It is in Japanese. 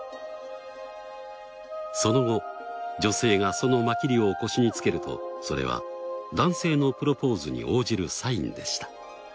その後女性がそのマキリを腰につけるとそれは男性のプロポーズに応じるサインでした。